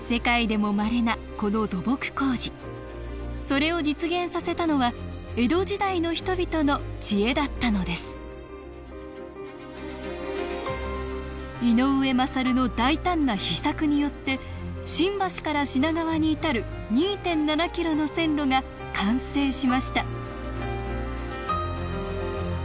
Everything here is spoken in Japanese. それを実現させたのは江戸時代の人々の知恵だったのです井上勝の大胆な秘策によって新橋から品川に至る２．７キロの線路が完成しました